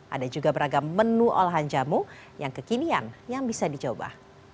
ada juga beragam menu olahan jamu yang kekinian yang bisa dicoba